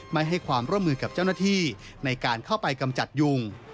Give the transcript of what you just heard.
ไม่ให้ความร่วมมือกับเจ้าหน้าที่ในการเข้าไปกำจัดยุง